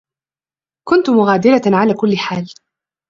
كنت مغادرة على كل حال.